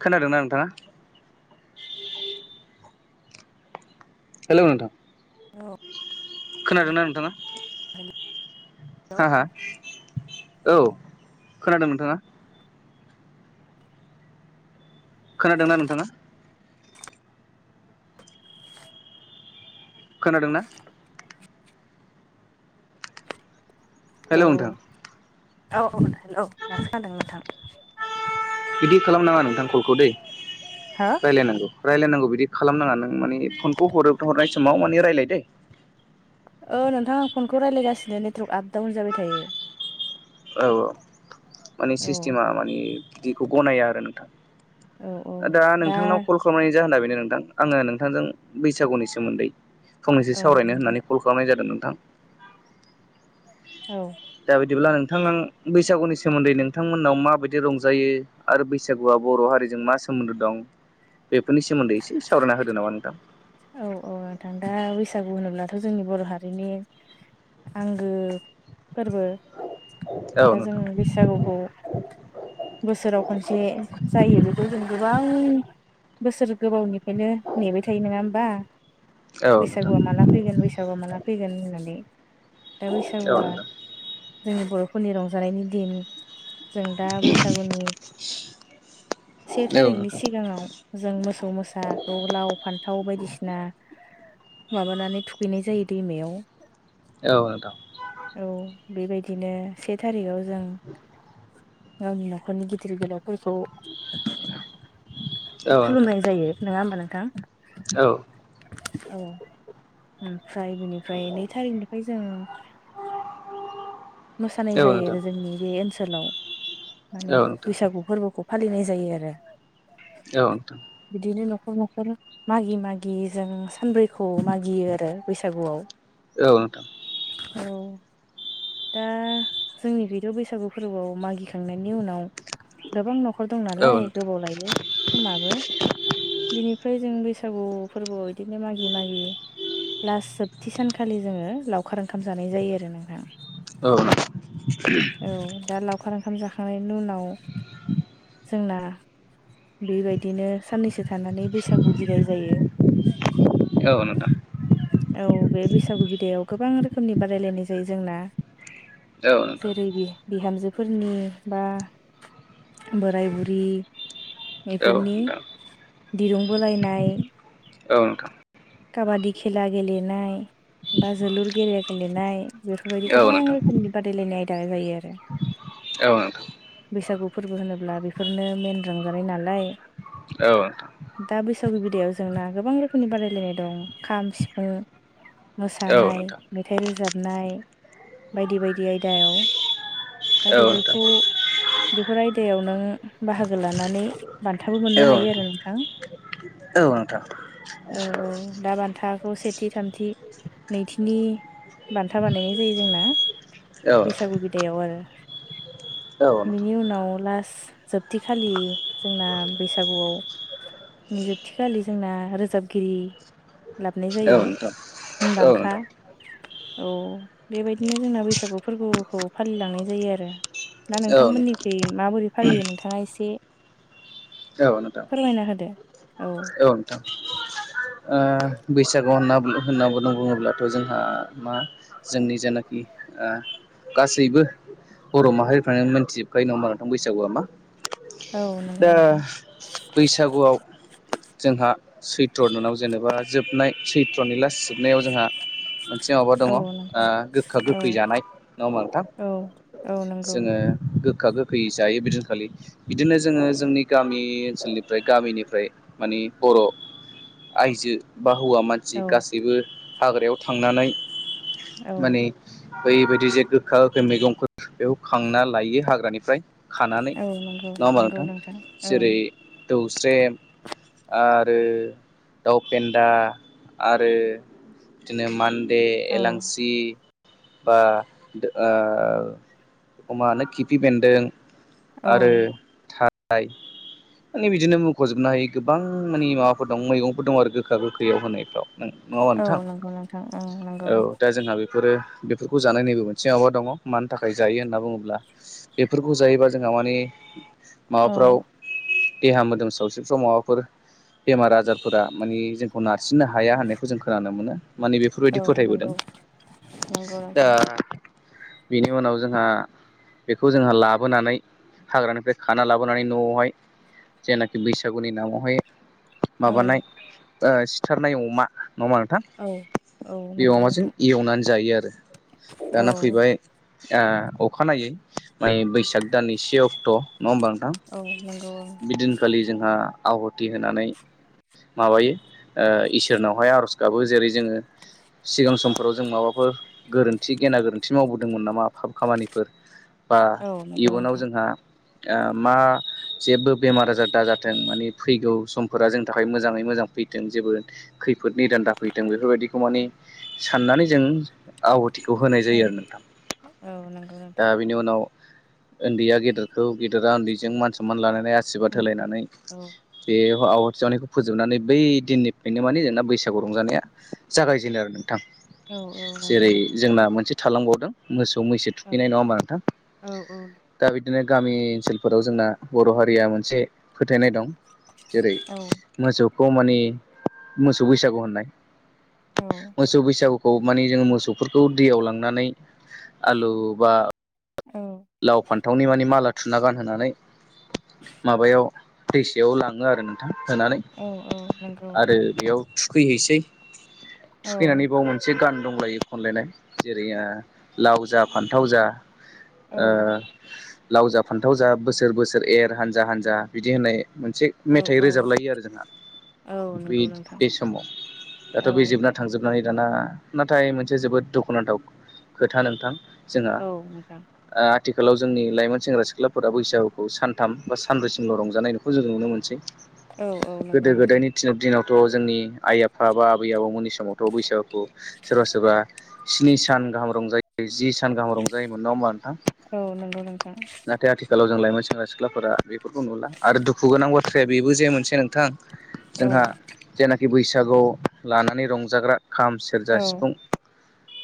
खोनादोंना नोंथाङा? हेल' नोंथां। औ। खोनादोंना नोंथाङा हेलौ हा हा? औ खोनादों नोंथाङा? खोनादोंना नोंथाङा? खोनादों ना? हेल' नोंथां। औ औ हेल' दासो खोनादों नोंथां। बिदि खालामनाङा नोंथां कलखौ दै हो रायलायनांगौ। रायलायनांगौ बिदि खालामनाङा नों माने फनखौ हरो हरनाय समाव माने रायलाय दै। औ नोंथां आं फनखौ रायलायगासिनो नेटवार्क आपडाउन जाबाय थायो। औ औ माने औ सिस्टेमा मानि बिदिखौ गनाया आरो नोंथां। औ औ दा नोंथांनाव कल खालामनायनि जाहोना बेनो नोंथां आङो नोंथांजों बैसागुनि सोमोन्दै फंनैसो औ सावरायनो नोंथां होननानै कल खालामनाय जादों नोंथां। औ दा बिदिब्ला नों थां बैसागुनि सोमोन्दै नोंथांमोननाव माबायदि रंजायो आरो बैसागुआ बर' हारिजों मा सो सोमोन्दो दं बेफोरनि सोमोन्दै एसे सावरायना होदो नामा नोंथां? औ औ नोंथां दा बैसागु होनोब्लाथ' जोंनि बर' हारिनि आंगो फोरबो औ दा जों नोंथां बैसागुखौ बोसोराव खनसे जायो बेखौ जों गोबां बोसोर गोबावनिफ्रायनो नेबाय थायो नोङा होमबा? औ नोंथां बैसागुआ माला फैगोन बैसागुआ माला फैगोन होननानै दा औ बैसागुआ नोंथां जोंनि बर'फोरनि रंजानायनि दिन जों दा बैसागुनि से औ थारिखनि नोंथां सिगाङाव जों मोसौ मोसाखौ लाव फान्थाव बायदि माबानानै थुखैनाय जायो दैमायाव। औ नोंथां। औ बेबायदिनो से थारिखाव जों गावनि न'खरनि गिदिर गोलाव फोरखौ औ नोंथां खुलुमनाय जायो नङा होमबा नोंथां? औ। औ ओमफ्राय बेनिफ्राय नै थारिखनिफ्राय जों [inaudible] मोसानाय जायो नोंथां आरो जोंनि बे ओनसोलाव औ नोंथां औ माने बैसागु फोरबोखौ फालिनाय जायो आरो। औ नोंथां। बिदिनो न'खर न'खर मागि मागि जों सानब्रैखौ मागियो आरो बैसागुआव। औनोथ औ दा जोंनि गैथ' बैसागु फोरबोआव मागिखांनायनि उनाव गोबां न'खर नखर दं औ नोंथां औ नोंथां औ नोंथां औ नोंथां औ नोंथां औ नोंथां औ नोंथां औ नोंथां औ नोंथां औ नोंथां औ नोंथां औ नोंथां औ नालाय गोबाव लायो समाबो बिनिफ्राय जों बेस बैसागु फोरबोआव बिदिनो मागि मागि लास्ट जोबथि सानखालि जोङो लावखार ओंखाम जानाय जायो आरो नोंथां औ नोंगौ औ दा लावखार ओंखाम जाखांनायनि उनाव जोंना बेबायदिनो साननैसो थानानै बैसागु बिदाय जायो औ नोंथां औ बे बैसागु बिदायाव गोबां रोखोमनि बादायलायनाय जायो जोंना जेरै बे बिहामजोफोरनि बा बोराय बुरि बेफोरनि दिरुं बोलायनाय काबाादि खेला गेलेनाय बा जोलुर गेले गेलेनाय बेफोरबायदि गोबां रोखोमनि बादायलायनाय आयदा जायो आरो औ बैसागु फोरबो होनोब्ला बेफोरनो मेन रंजानाय नालाय दा बैसागु बिदायाव जोंना गोबां रोखोमनि बादायलायनाय दं खाम सिफुं मोसानाय मेथाइ रोजाबनाय बायदि बायदि आयदायाव दा बेफोरखौ बेफोर आयदायाव नों बाहागो लानानै बान्थाबो मोननो हायो आरो नोंथां औ नोंथां औ औ दा बान्थाखौ सेथि थामथि नैथिनि बान्था बानायनाय जायो जोंना बैसागु बिदायाव आरो औ नोंथां बिनि उनाव लास्ट जोबथिखालि जोंना बैसागुआव नि जोबथिखालि जोंना रोजाबगिरि लाबनाय औ जायो नोंथां औ मुंदांखा नोंथां औ बेबायदिनो जोंना बैसागु फोरबोखौ फालिलांनाय जायो आरो ना औ नोंथां नोंथांमोननिख्रुइ माबोरै फालियो नोंथाङा एसे औ नोंथां फोरमायना होदो औ बैसागु होनना होनना बुंदों बुङोब्लाथ' जोंहा मा जोंनि जेनाखि ओ गासैबो बर' माहारिफ्रानो मोनथिजोबखायो नङा नोंथां बैसागुआ मा औ नंगौ दा नोंथां बैसागुआव जोंहा सैथ्रदानाव जेनेबा जोबनाय सैथ्र'नि लास जोबनायाव जोंहा मोनसे माबा दङ औ ओ गोखा औ गोखै जानाय नङहोमबा नोंथां औ औ नंगौ जोङो गो गोखा गोखै जायो बिदिनोखालि बिदिनो जोङो जोंनि गामि ओनसोलनिफ्राय गामिनिफ्राय मानि बर' आइजो बा हौवा मानसि औ गासैबो हाग्रायाव थांनानै औ माने बैबायदि जे गोखा गोखै मैगंफोर बेयाव खांना लायो हाग्रानिफ्राय खानानै औ नंगौ नङा होमबा नंगौ नोंथां ओं जेरै दौस्रेम आरो दउपेन्दा आरो बिदिनो मान दे, औ एलांसि बा ओ एखौ माहोनो खिफि बेन्दों औ आरो था राय माने बिदिनो मख'जोबनो हायो गोबां माने माबाफोर दं मैगंफोर दं आरो गो गोखा गोखैयाव होनायफ्राव नङ औ नोंथां नंगौ नोंथां ओं नंगौ औ दा जोंहा बे बेफोरो बेफोरखौ जानायनिबो मोनसे माबा दङ मानि थाखाय जायो होनना बुङोब्ला बेफोरखौ जायोबा जोंहा माने औ माबाफ्राव देहा मोदोम सावस्रिफ्राव माबा फोर बेमार आजारफोरा माने जोंखौ नार सिननो हाया होननायखौ जों खोनानो मोनो माने बेफोरबायदि औ फोथायबोदों नंगौ नंगौ दा नोंथां बेनि उनाव जोंहा बेखौ जोंहा लाबोनानै हाग्रानिफ्राय खाना लाबोनानै न'आवहाय जेनाखि बैसागुनि नामावहाय औ माबानाय सिथारनाय अमा नङा होमबा नोंथां औ बे नंगौ अमाजों नोंथां एवनानै जायो आरो औ दाना फैबाय ओ अखानायै माय बैसा ग दानै से अक्ट' नङा होमबा नोंथां? औ नंगौ बिदिनखालि जोंहा आहथि होनानै माबायो ओ इसोरनावहाय आर'ज गाबो जेरै जोङो सिगां समफोराव जों माबाफोर गोरोन्थि एसे गेना गोरोन्थि मावबोदोंमोन नामा खामानिफोर बा औ नंगौ इयुनाव नोंथां जोंहा ओ मा जेबो बेमार आजार दाजाथों माने फैगौ समफोरा जोंनि थाखाय मोजाङै मोजां फै जेबो खैफोद निदान दाफैथों बेफोरबायदिखौ माने साननानै जों आवहु थिखौ होनाय औ जायो आरो नोंथां औ नंगौ दा नोंथां बेनि उनाव ओन्दैया गेदेरखौ गेदेरा ओन्दैजों मान सनमान लानानै आशिरबाद होलायनानै औ बे आवहाथि सावनायखौ फोजोबनानै बै दिननिफ्रायनो माने जोंना बैसागु रंजानाया जागायजेनो आरो न औ औ नंगौ जेरै जोंना मोनसे थालांबावदों मोसौ सौ मैसो नोंथां थुखैनाय नङा होमबा नोंथां? औ औ दा बिदि बिदिनो गामि ओनसोलफोराव जोंना बर' हारिया मोनसे फोथायनाय दं। जेरै औ मोसौखौ मानि मोसौ बैसागु होननाय मोसौ बैसागु खौ माने जोङो मोसौफोरखौ दैयाव लांनानै आलु बा औ लाव फान्थावनि माने माला थुना गानहोनानै माबायाव दैसायाव लाङो आरो नोंथां। होनानै औ औ नंगौ आरो बेयाव थुखैहैसै। औ थुखैनानै बाव मोनसे गान दंलायो खनलायनाय जेरै ओ लाव जा फान्थाव जा औ ओ लाव जा फान्थाव जा बोसोर बोसोर एर हानजा हानजा बिदि होननाय। मोनसे औ मेथाइ औ रोजाबलायो आरो जोंहा। औ बे नंगौ नोंथां बे समाव दाथ' औ बे जोबना थांजोबनानै दाना नाथाय मोनसे जोबोद दुखुनांथाव खोथा नोंथां। औ नोंथां। आ आथिखालाव जोंनि लाइमोन सेंग्रा सिख्लाफोरा बैसागुखौ सानथाम बा सानब्रैसिमल' रंजानाय बेखौ जों नुनो मोनसै। औ औ गोदो नंगौ नोंथां गोदायनि दिनावथ' जोंनि आइ आफा बा आबै आबौमोननि समावथ' बैसागु खौ सोरबा सोरबा स्नि सान गाहाम रंजायो जि सान गाहाम रंजायोमोन नङा होम औ नंगौ नोंथां नाथाय आथिखालाव जों लाइमोन सेंग्रा सिख्लाफोरा बेफोरखौ नुला आरो दुखु गोनां बाथ्राया बेबो जे मोनसे नोंथां औ जोंहा जेनाखि बैसागु लानानै रंजाग्रा खाम, सेरजा, औ सिफुं,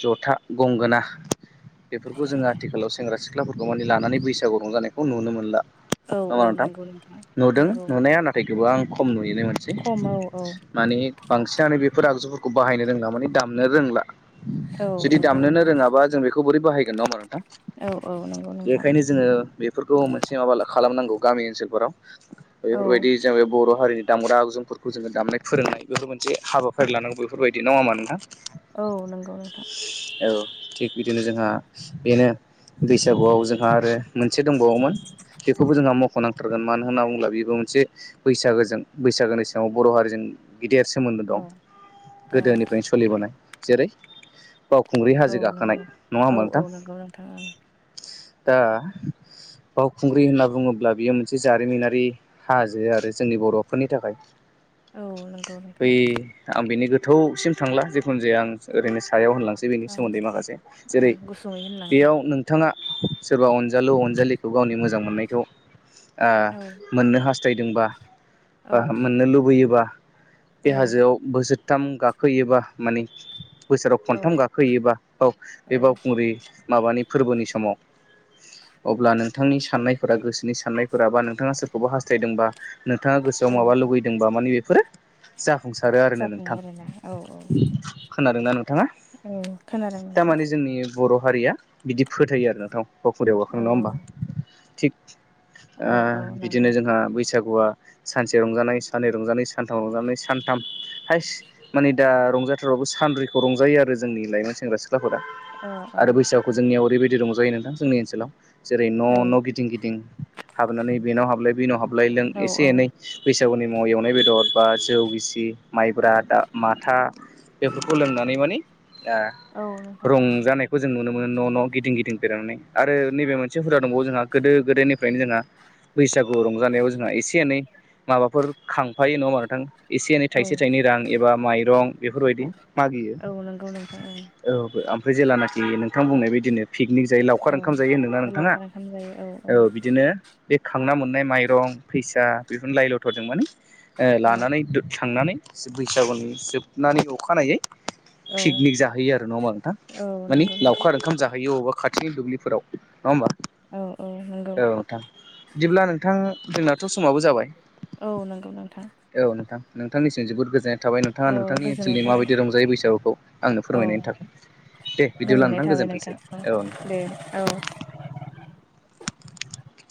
जथा, गंगोना बेफोरखौ जोंहा सेंग्रा सिख्लाफोरखौ मानि लानानै बैसागु रंजानायखौ नुनो मोनला। औ नङा होमबा‌ औ नोंथां? नंगौ नुदों नंगौ नुनाया नाथाय गोबां आं खम नुदों। बेनो मोनसे खम औ औ माने बांसिनानो बेफोर आगजुफोरखौ बाहायनो रोंला माने दामनो रोंला। औ जुदि नंगौ दामनोनो नोंथां रोङाबा जों बेखौ बोरै बाहायगोन नङा होनबा नोंथां? औ औ नंगौ नोंथां। बेखायनो जोङो बेफोरखौ मोनसे माबा खालामनांगौ गामि ओनसोलफोराव औ बेफोरबायदि जों बे बर' हारिनि दामग्रा आगजुफोरखौ जोङो दामनाय फोरोंनाय बेफोर मोनसे हाबाफारि लानांगौ बेफोरबायदि नङा होनबा नोंथां? औ नंगौ नोंथां। औ थिग बिदिनो जोंहा बेनो बैसागुआव जोंहा आरो मोनसे दंबावोमोन। बेखौबो जोंहा मख'नांथारगोन मानो होनना बुङोब्ला बेबो मोनसे बैसागोजों बैसागोनि सायाव बर' हारिजों गिदिर सोमोन्दो औ दं औ गोदोनिफ्रायनो सोलिबोनाय जेरै [unintelligible] खुंग्रि औ हाजो नंगौ गाखोनाय नों नङा औ होमबा औ नोंथां नंगौ नोंथां दा बावखुंग्रि होनना बुंङोब्ला बियो मोनसे जारिमिनारि हाजो आरो जोंनि बर'फोरनि थाखाय। ओं औ नंगौ नोंथां बै आं बिनि गोथौसिम थांला जिखुनु जाया आं ओरैनो सा याव होनलांसै बेनि ओं सोमोन्दै माखासे ओं जेरै गुसुङै होनलांदो बेयाव नोंथाङा सोरबा अन जालु अनजालिखौ गावनि मोजां मोननायखौ ओ औ मोननो हास्थायदोंबा औ बा मोननो लुबैयोबा बे औ हाजोआव बोसोरथाम गाखोयोबा माने बोसोराव औ खनथाम गाखोैयोबा ब बे औ बावखुंग्रि माबानि फोरबोनि समाव अब्ला नोंथांनि साननायफोरा गोसोनि साननायफोरा बा नोंथाङा सोरखौबा हास्थायदोंबा नोंथाङा गोसोआव औ माबा लुुबैदोंबा माने बेफोरो जा बुंंसारो आरोनो जाफुङो नोंथां आरोना औ औ खोनादोंना नोंथाङा? औ खोनादों नोंथां थारमाने जोंनि बर' हारिया बिदि फोथायो आरो नोंथां बावखुंग्रियाव गाखोनो औ नङा होमबा थिग ओ औ औ नंगौ बिदिनो जोंहा बैसागुआ सानसे रंजानाय सानैन रंजानाय सानथाम रंजानाय सानथाम हायस माने दा रंजाथाव सानब्रैखौ रंजायो आरो जोंनि लाइमोन सेंग्रा-सि ख्लाफोरा ओ ओ आरो बैसागुखौ जोंनियाव ओरैबायदि रंजायो नोंथां जोंनि ओनसोलाव जेरै न' न' गिदिं गिदिं हाबनानै बेनाव हाबलाय बेनाव हाबलाय लों औ एसे एनै बैसो जौनि मुङाव एवनाय बेदर बा जौ गिसि माइब्रा बा माथा बेफोरखौ लोंनानै माने ओ औ नोंथां रंजानायखौ जों नुनो मो न' न' गिदिं गिदिं बेेरांनानै आरो नैबे मोनसे हुदा दंबावो जोंहा गोदो गोदायनिफ्रायनो जोंहा। बैसागु रंजानायाव जोंहा एसे एनै माबाफोर खांफायो नङामा नोंथां? एसे एनै औ थाइसे थाइनै रां एबा माइरं बेफोरबायदि मागियो औ नंगौ नोंथां औ ओमफ्राय जेलानाखि नोंथां बुंनाय बदिनो पिकनिक जायो लावखार ओं ओंखाम जायो होनदों औ नानोंथाङा लावखार ओंखाम जायो औ बिदिनो बे खांना मोननाय माइरं फैसा बेफोर लाइ लथरजों माने ओ औ लानानै थांनानै बैसागुनि जोबनानै अखानायै औ पिकनिक जाहैयो आरो नङा होमबा ना नोंथां औ माने नंगौ नोंथां लावखार ओंखाम जाहयो अबा खाथिनि दुब्लिफोराव नङा होमबा औ औ नंगौ औ नोंथां बिदिब्ला नोंथां जोंनाथ' समाबो जाबाय औ नंगौ नोंथां औ नोंथां नोंथांनिसिम जोबोद गोजोन थाबाय नोंथाङा औ नोंथांनि गोजोननाय ओनसोलनि थाबाय माबायदि रंजायोै बैसागुखौ आंनो औ फोरमायनायनि थाखाय दे बिदिब्ला नोंथां गोजोनथोंसै औ दे औ नोंथां।